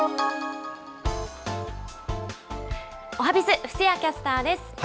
おはＢｉｚ、布施谷キャスターです。